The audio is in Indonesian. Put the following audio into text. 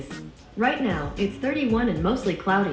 sekarang tiga puluh satu dan kebanyakan berlalu